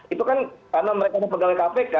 itu kan karena mereka adalah pegawai kpk